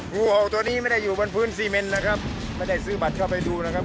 งูออกตัวนี้ไม่ได้อยู่บนพื้นซีเมนนะครับไม่ได้ซื้อบัตรเข้าไปดูนะครับ